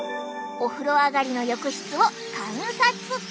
お風呂上がりの浴室を観察！